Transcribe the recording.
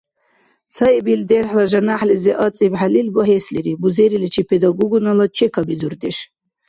Цаибил дерхӀла жаняхӀлизи ацӀибхӀелил багьеслири бузериличи педагогунала чекабизурдеш.